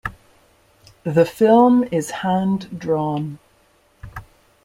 The film is hand-drawn.